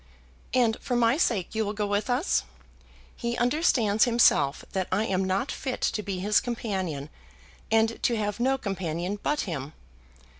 "And for my sake you will go with us? He understands himself that I am not fit to be his companion, and to have no companion but him.